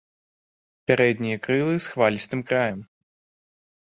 Пярэднія крылы з хвалістых краем.